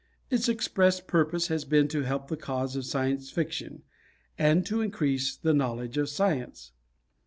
Its expressed purpose has been to help the cause of Science Fiction, and to increase the knowledge of Science.